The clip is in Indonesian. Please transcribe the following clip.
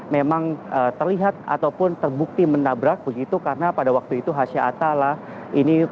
memang terlihat ataupun terbukti menabrak begitu karena pada waktu itu hasha atala ini